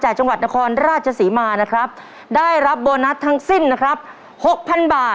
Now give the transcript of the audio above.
จังหวัดนครราชศรีมานะครับได้รับโบนัสทั้งสิ้นนะครับหกพันบาท